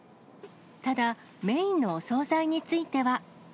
ただ、メインのお総菜については。